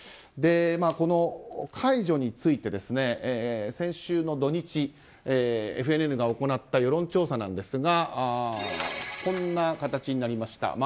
解除について、先週の土日ＦＮＮが行った世論調査ですがこんな形になりました。